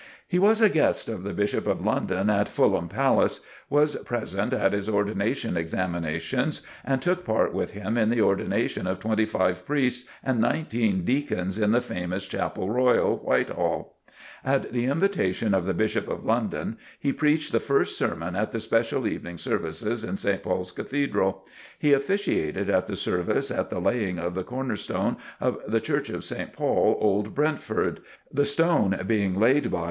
He was a guest of the Bishop of London at Fulham Palace; was present at his ordination examinations and took part with him in the ordination of twenty five priests and nineteen deacons in the famous Chapel Royal, Whitehall; at the invitation of the Bishop of London, he preached the first sermon at the special evening services in St. Paul's Cathedral; he officiated at the service at the laying of the corner stone of the church of St. Paul, Old Brentford, the stone being laid by H.